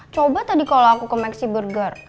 coba tadi kalau aku ke meksi burger